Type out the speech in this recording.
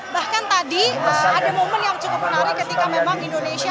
bahkan tadi ada momen yang cukup menarik ketika memang indonesia